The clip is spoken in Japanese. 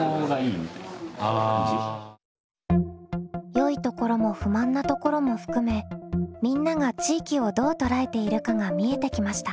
よいところも不満なところも含めみんなが地域をどう捉えているかが見えてきました。